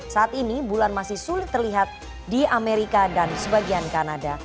saat ini bulan masih sulit terlihat di amerika dan sebagian kanada